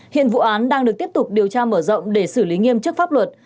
hiện vụ án đang được tiếp tục điều tra mở rộng để xử lý nghiêm chức pháp luật